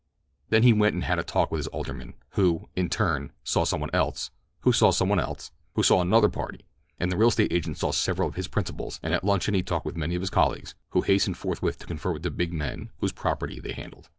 Then he went and had a talk with his alderman, who, in turn, saw some one else, who saw some one else, who saw another party; and the real estate agent saw several of his principals, and at luncheon he talked with many of his colleagues, who hastened forthwith to confer with the big men whose property they handled.